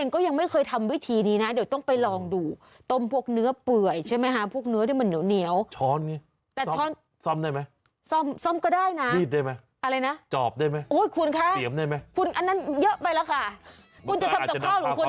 ก็ได้นะจอบได้ไหมเสียมได้ไหมคุณค่ะคุณอันนั้นเยอะไปแล้วค่ะ